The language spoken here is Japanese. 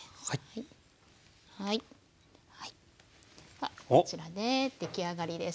ではこちらで出来上がりです。